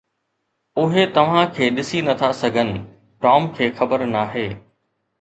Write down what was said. اهي توهان کي ڏسي نٿا سگهن، ٽام کي خبر ناهي